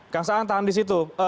kang saan tahan di situ